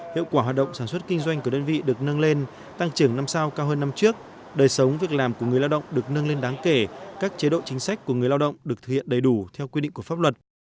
hiệu quả hoạt động sản xuất kinh doanh của đơn vị được nâng lên tăng trưởng năm sau cao hơn năm trước đời sống việc làm của người lao động được nâng lên đáng kể các chế độ chính sách của người lao động được thực hiện đầy đủ theo quy định của pháp luật